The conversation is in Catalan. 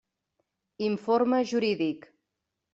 Informe jurídic.